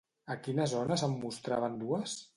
A quina zona se'n mostraven dues?